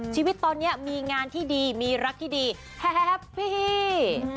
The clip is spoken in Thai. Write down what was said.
ชีวิตตอนนี้มีงานที่ดีมีรักที่ดีแฮปปี้